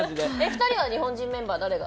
２人は日本人メンバー誰が。